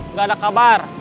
nggak ada kabar